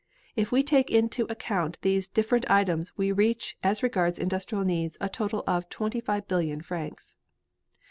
If we take into account these different items we reach as regards industrial needs a total of 25,000,000,000 francs.